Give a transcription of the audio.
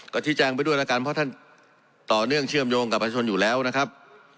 ก็ชี้แจงไปด้วยแล้วกันเพราะท่านต่อเนื่องเชื่อมโยงกับประชนอยู่แล้วนะครับ